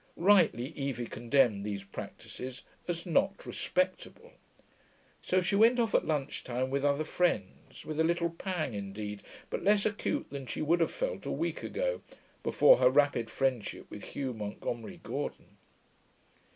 Rightly Evie condemned these practices as Not Respectable. So she went off at lunch time with other friends, with a little pang, indeed, but less acute than she would have felt a week ago, before her rapid friendship with Hugh Montgomery Gordon.